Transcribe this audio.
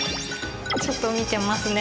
ちょっと見てますね。